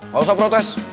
gak usah protes